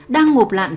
đang ngụp lạn tròn